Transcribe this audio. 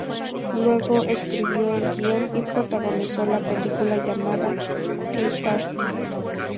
Luego, escribió el guion y protagonizó la película llamada "Key Party".